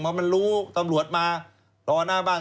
พอมันรู้ตำรวจมารอหน้าบ้าน